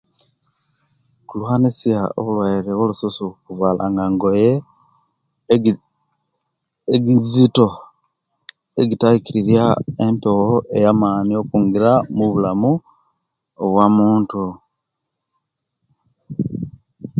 Tulwanisya obulwaire obwo lususu kuvalanga egi egizito egitaikiriria empewo eyamani okungira omubilamu owamuntu